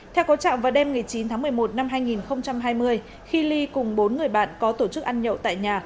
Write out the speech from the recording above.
theo cố trọng vào đêm chín tháng một mươi một năm hai nghìn hai mươi khi ly cùng bốn người bạn có tổ chức ăn nhậu tại nhà